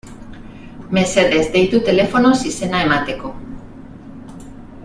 Mesedez, deitu telefonoz izena emateko.